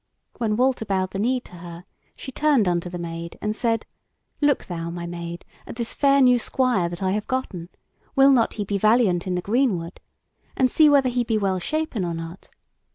When Walter bowed the knee to her, she turned unto the Maid, and said: "Look thou, my Maid, at this fair new Squire that I have gotten! Will not he be valiant in the greenwood? And see whether he be well shapen or not.